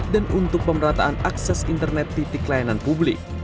dan untuk pemerataan akses internet titik layanan publik